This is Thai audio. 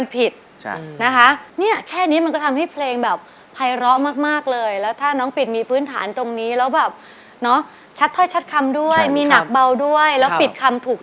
พี่ไอซ์มันไล่ลอกกันบ้างอยู่ด้วยเลยค่ะ